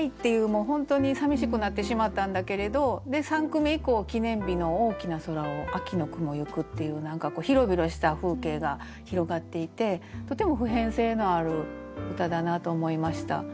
もう本当にさみしくなってしまったんだけれど三句目以降「記念日の大きな空を秋の雲ゆく」っていう何か広々した風景が広がっていてとても普遍性のある歌だなと思いました。